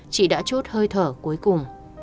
chị đã chút hơi thở cuối cùng